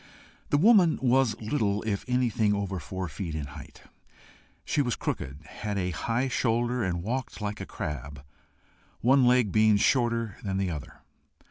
The woman was little if anything over four feet in height. She was crooked, had a high shoulder, and walked like a crab, one leg being shorter than the other.